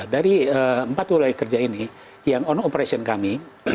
dari empat wilayah kerja ini yang on operation kami